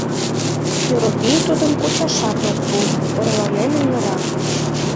Йоропий тудым кучашат ок пу, орланен эҥыра.